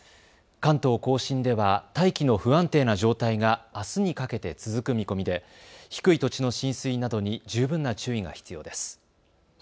関東甲信では大気の不安定な状態があすにかけて続く見込みで低い土地の浸水などに十分な注意が必要です。